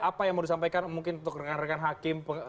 apa yang mau disampaikan mungkin untuk rekan rekan hakim